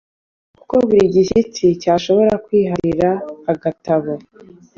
kuko buri "gishyitsi" cyashobora kwiharira agatabo.